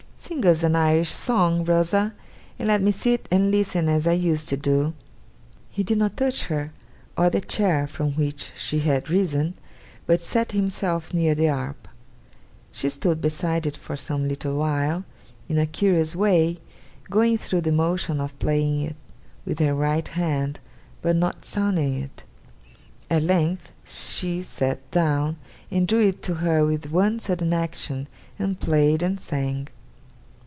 Sing us an Irish song, Rosa! and let me sit and listen as I used to do.' He did not touch her, or the chair from which she had risen, but sat himself near the harp. She stood beside it for some little while, in a curious way, going through the motion of playing it with her right hand, but not sounding it. At length she sat down, and drew it to her with one sudden action, and played and sang.